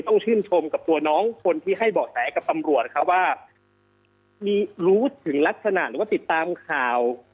ต้องชื่นชมกับตัวน้องคนที่ให้เบาะแสกับตำรวจครับว่ามีรู้ถึงลักษณะหรือว่าติดตามข่าว